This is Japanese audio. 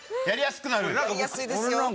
やりやすいですよ。